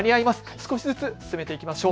少しずつ進めていきましょう。